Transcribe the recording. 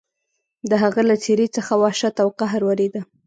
د هغه له څېرې څخه وحشت او قهر ورېده.